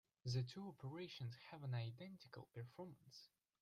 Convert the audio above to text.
The two operations have an identical performance.